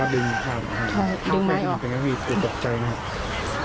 ตกใจนะครับ